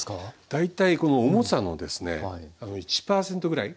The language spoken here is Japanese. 大体この重さのですね１％ぐらい。